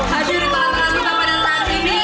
hadir di tangan terang kita pada saat ini